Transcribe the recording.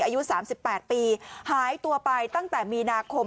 อายุ๓๘ปีหายตัวไปตั้งแต่มีนาคม